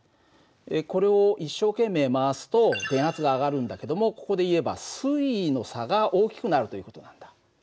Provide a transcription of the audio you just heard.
これを一生懸命回すと電圧が上がるんだけどもここでいえば水位の差が大きくなるという事なんだ。